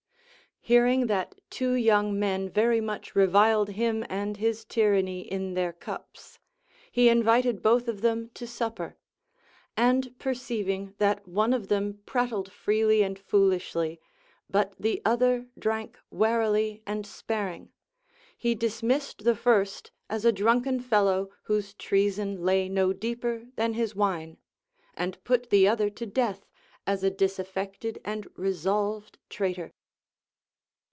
Hearing that two young men very much reviled him and his tyranny in their cups, he invited both of them to supper ; and perceiving that one of them prat tled freely and foolishly, but the other drank warily and sparing, he dismissed the first as a drunken fellow whose treason lay no deeper than his wine, and put the other to death as a disaffected and resolved traitor.